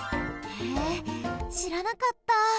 へえしらなかった！